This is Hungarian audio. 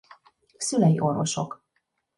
Szülei orvosok.